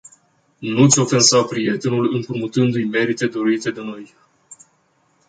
Nu-ți ofensa prietenul împrumutîndu-i merite dăruite de noi.